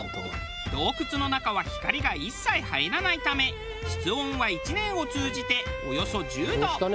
洞窟の中は光が一切入らないため室温は１年を通じておよそ１０度。